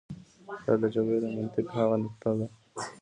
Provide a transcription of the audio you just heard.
دا د جګړې د منطق هغه نقطه ده.